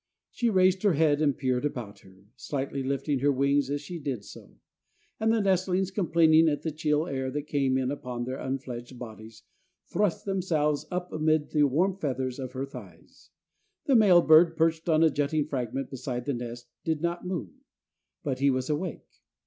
She raised her head and peered about her, slightly lifting her wings as she did so; and the nestlings, complaining at the chill air that came in upon their unfledged bodies, thrust themselves up amid the warm feathers of her thighs. The male bird, perched on a jutting fragment beside the nest, did not move. But he was awake.